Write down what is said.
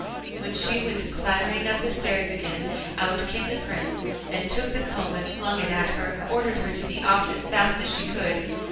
When she went clattering up the stairs again, out came the Prince and took the comb and flung it at her, and ordered her to be off as fast as she could.